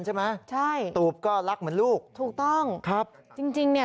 ใช่ไหมใช่ตูบก็รักเหมือนลูกถูกต้องครับจริงจริงเนี้ย